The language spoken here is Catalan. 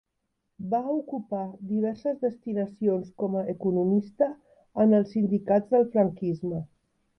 Va ocupar diverses destinacions com a economista en els sindicats del franquisme.